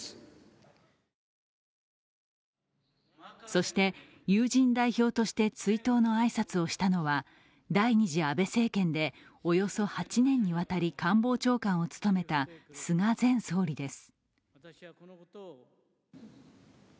そして、友人代表として追悼の挨拶をしたのは第２次安倍政権でおよそ８年にわたり官房長官を務めた菅前総理です。